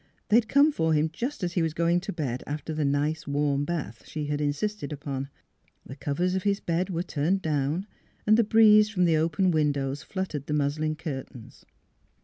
They had come for him just as he was going to bed after the " nice warm bath " she insisted upon. The covers of his bed were turned down and the breeze from the open windows fluttered the mus lin curtains.